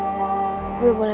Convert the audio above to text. nanti aku tuh sentuh